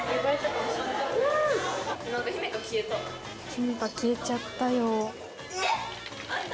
ひめか消えちゃったよ。